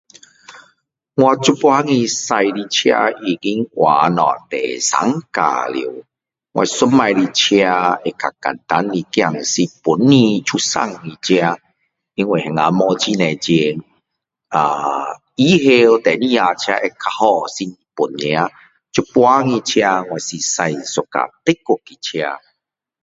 我现在的驾的车已经换了第三架了我以前的车会比较简单一点是本地出产的车因为那时没有很多钱呃之后第二架车会比较好是日本车现在的车我是驾一辆德国的车